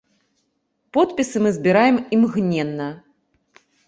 Подпісы мы збіраем імгненна!